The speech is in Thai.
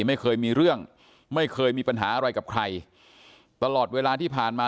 ไม่เคยมีเรื่องไม่เคยมีปัญหาอะไรกับใครตลอดเวลาที่ผ่านมา